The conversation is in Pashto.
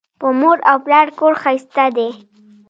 په مور او پلار کور ښایسته دی